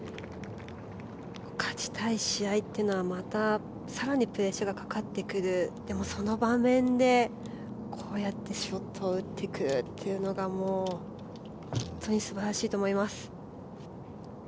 勝ちたい試合というのはまた更にプレッシャーがかかってくるでも、その場面でこうやってショットを打ってくるというのが本当に素晴らしいと思います。